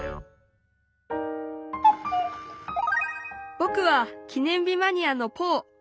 ぼくは記念日マニアのポー。